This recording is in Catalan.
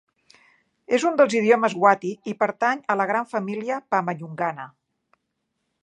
És un dels idiomes wati i pertany a la gran família pama-nyungana.